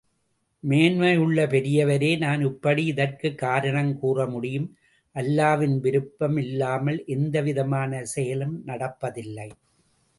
மேன்மையுள்ள பெரியவரே நான் எப்படி இதற்குக் காரணம் கூற முடியும் அல்லாவின் விருப்பம் இல்லாமல் எந்தவிதமான செயலும் நடப்பதில்லை.